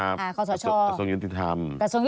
อัสโซนยถิธรรม